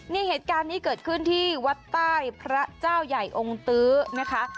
นี่เหตุการณ์นี้เกิดขึ้นที่วัดใต้พระเจ้าใหญ่องค์ตื้อนะคะ